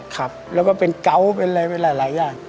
ครับแล้วก็เป็นเกาะเป็นอะไรไปหลายอย่าง